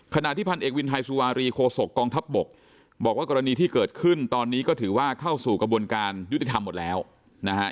ขณะที่พันเอกวินไทยสุวารีโคศกกองทัพบกบอกว่ากรณีที่เกิดขึ้นตอนนี้ก็ถือว่าเข้าสู่กระบวนการยุติธรรมหมดแล้วนะฮะ